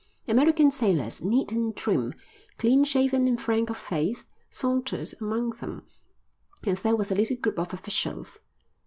American sailors, neat and trim, clean shaven and frank of face, sauntered among them, and there was a little group of officials.